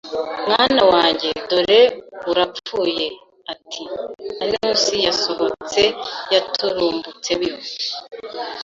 mwana wanjye dore urapfuye ati anus yasohotse yaturumbutseyo